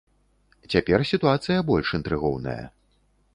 Цяпер сітуацыя больш інтрыгоўная.